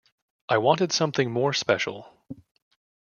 I wanted something more special.